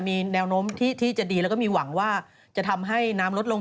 มีแนวโน้มที่จะดีแล้วก็มีหวังว่าจะทำให้น้ำลดลง